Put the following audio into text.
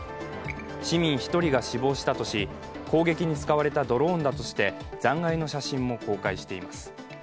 市民１人が死亡したとし、攻撃に使われたドローンだとして残骸の写真も公開しています。